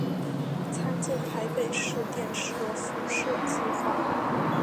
参见台北市电车敷设计画。